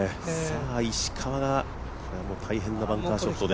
石川が大変なバンカーショットです。